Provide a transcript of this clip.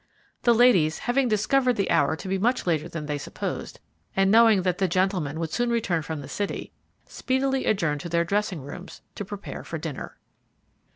The ladies, having discovered the hour to be much later than they supposed, and knowing that the gentlemen would soon return from the city, speedily adjourned to their dressing rooms to prepare for dinner.